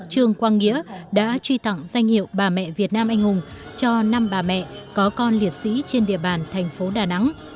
trương quang nghĩa đã truy tặng danh hiệu bà mẹ việt nam anh hùng cho năm bà mẹ có con liệt sĩ trên địa bàn thành phố đà nẵng